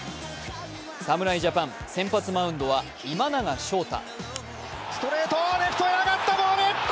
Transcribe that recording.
侍ジャパン、先発マウンドは今永昇太。